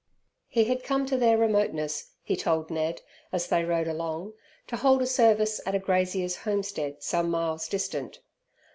He had come to their remoteness, he told Ned, as they rode along, to hold a service at a grazier's homestead some miles distant.